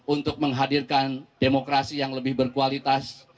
untuk menghadirkan demokrasi yang lebih berkualitas